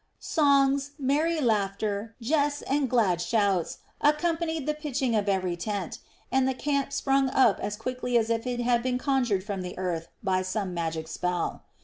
Songs, merry laughter, jests, and glad shouts accompanied the pitching of every tent, and the camp sprung up as quickly as if it had been conjured from the earth by some magic spell.